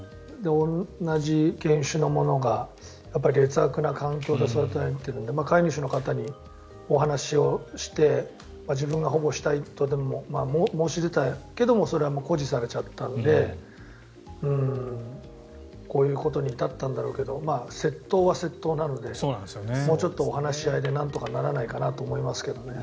同じ犬種のものが劣悪な環境で育てられていて飼い主の方にお話をして自分が保護したいと申し出たけれども固辞されたのでこういうことに至ったんだろうけど窃盗は窃盗なのでもうちょっとお話し合いでなんとかならないのかなと思いますが。